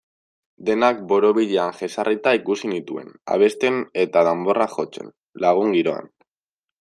Denak borobilean jesarrita ikusi nituen, abesten eta danborrak jotzen, lagun-giroan.